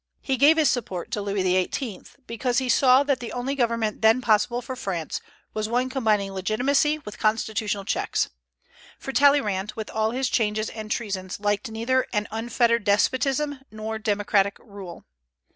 He gave his support to Louis XVIII., because he saw that the only government then possible for France was one combining legitimacy with constitutional checks; for Talleyrand, with all his changes and treasons, liked neither an unfettered despotism nor democratic rule.